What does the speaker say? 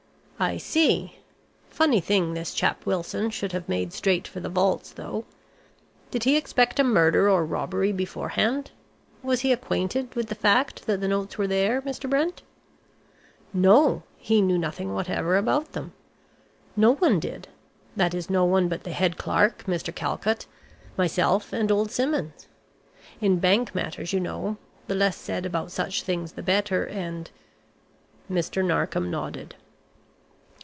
"I see. Funny thing this chap Wilson should have made straight for the vaults though. Did he expect a murder or robbery beforehand? Was he acquainted with the fact that the notes were there, Mr. Brent?" "No. He knew nothing whatever about them. No one did that is no one but the head clerk, Mr. Calcott, myself and old Simmons. In bank matters you know the less said about such things the better, and " Mr. Narkom nodded.